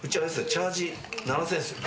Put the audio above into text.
チャージ７，０００円っすよ。